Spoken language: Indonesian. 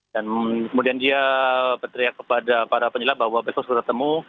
dan kemudian dia berteriak kepada para penyelam bahwa besok sudah ketemu